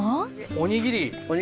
おにぎり。